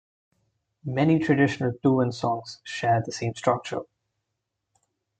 Many traditional Tuvan songs share the same structure.